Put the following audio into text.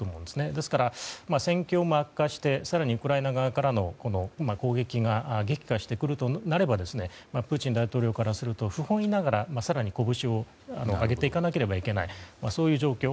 ですから、戦況も悪化して更にウクライナ側からの攻撃が激化してくるとなればプーチン大統領からすると不本意ながら更に、こぶしを上げていかなければいけないそういう状況。